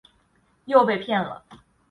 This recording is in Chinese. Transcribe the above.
又被骗了